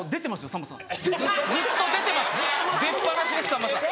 さんまさん。